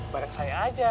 bareng saya aja